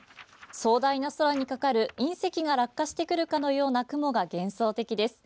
壮大な空にかかる隕石が落下してくるかのような雲が幻想的です。